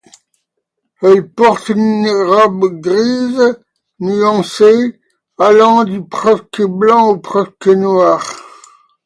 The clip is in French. Elle porte une robe grise nuancée, allant du presque blanc au presque noir.